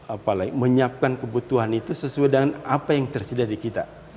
apalagi menyiapkan kebutuhan itu sesuai dengan apa yang tersedia di kita